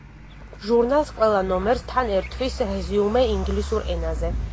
ჟურნალს ყველა ნომერს თან ერთვის რეზიუმე ინგლისურ ენაზე.